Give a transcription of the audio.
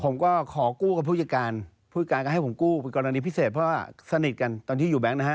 ผมก็ขอกู้กับผู้จัดการผู้จัดการก็ให้ผมกู้เป็นกรณีพิเศษเพราะว่าสนิทกันตอนที่อยู่แก๊งนะฮะ